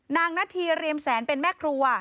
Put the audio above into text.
นาธีเรียมแสนเป็นแม่ครัว